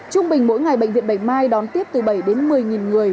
trung bình mỗi ngày bệnh viện bạch mai đón tiếp từ bảy đến một mươi người